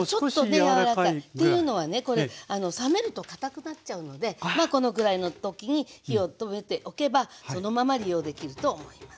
ちょっとやわらかい。っていうのはね冷めると堅くなっちゃうのでこのぐらいの時に火を止めておけばそのまま利用できると思います。